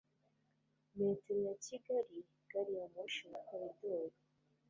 metro ya kigali , gari ya moshi na koridoro